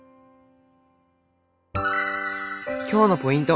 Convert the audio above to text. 今日のポイント！